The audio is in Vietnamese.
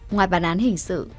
ngoài bản án hình sự